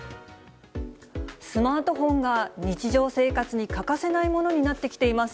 スマートフォンが日常生活に欠かせないものになってきています。